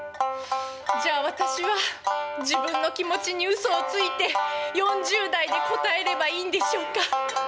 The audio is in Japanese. じゃあ私は自分の気持ちにうそをついて４０代で答えればいいんでしょうか。